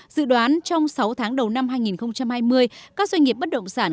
dự đoán trong sáu tháng đầu năm hai nghìn hai mươi các doanh nghiệp bất động sản